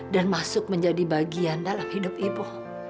dan masuk menjadi bagian dalam hidup ibu